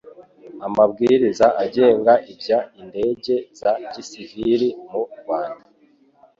Amabwiriza agenga Iby indege za Gisivili mu Rwanda